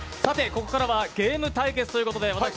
ここからはゲーム対決ということで私